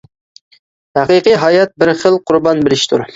ھەقىقىي ھايات بىر خىل قۇربان بېرىشتۇر.